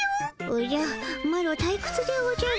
おじゃマロたいくつでおじゃる。